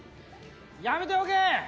やめておけ！